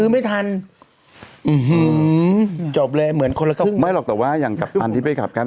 ไม่หรอกแต่อย่างกับอันที่ไปขับแก๊ป